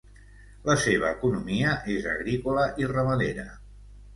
La seva economia és agrícola i ramadera.